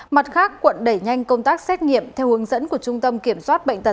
mặt khác quận đẩy nhanh công tác xét nghiệm theo hướng dẫn của trung tâm kiểm soát bệnh tật